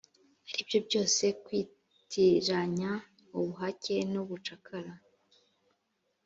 ari byo byose kwitiranya ubuhake n ubucakara